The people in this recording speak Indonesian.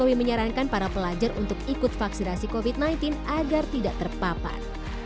jokowi menyarankan para pelajar untuk ikut vaksinasi covid sembilan belas agar tidak terpapar